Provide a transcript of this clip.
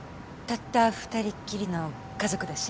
たった二人っきりの家族だし。